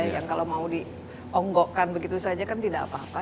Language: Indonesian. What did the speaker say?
yang kalau mau dionggokkan begitu saja kan tidak apa apa